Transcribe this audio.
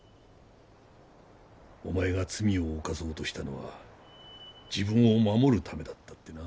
お前が罪を犯そうとしたのは自分を守るためだったってな。